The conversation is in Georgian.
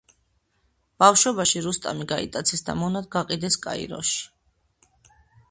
ბავშვობაში რუსტამი გაიტაცეს და მონად გაყიდეს კაიროში.